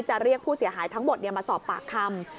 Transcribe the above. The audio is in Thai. จะเรียกผู้เสียหายทั้งหมดมาสอบปากคำ